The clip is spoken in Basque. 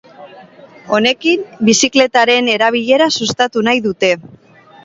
Honekin, bizikletaren erabilera sustatu nahi dute.